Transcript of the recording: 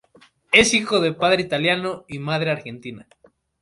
Es hijo de padre italiano y madre argentina.